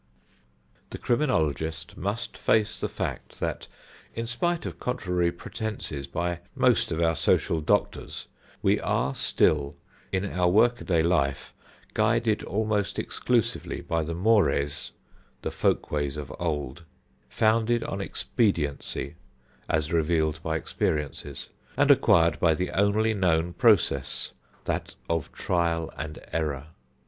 The criminologist must face the fact that, in spite of contrary pretenses by most of our social doctors, we are still in our work a day life guided almost exclusively by the mores the folk ways of old founded on expediency as revealed by experiences, and acquired by the only known process, that of trial and error.